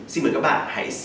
xin mời các bạn